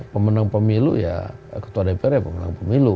pemenang pemilu ya ketua dpr ya pemenang pemilu